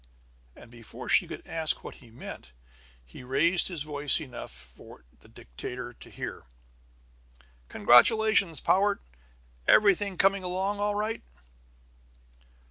And before she could ask what he meant he raised his voice enough for the dictator to hear: "Congratulations, Powart! Everything coming along all right?"